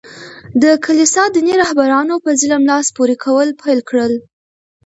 د کلیسا دیني رهبرانو په ظلم لاس پوري کول پېل کړل.